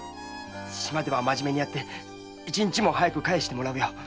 島ではマジメにやって一日も早く帰してもらうよ